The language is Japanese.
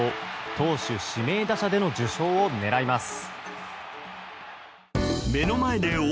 投手、指名打者での受賞を狙います。